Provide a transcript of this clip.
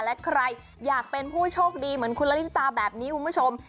และใครอยากเป็นผู้โชคดีเหมือนคุณละลิตาแบบนี้คุณผู้ชม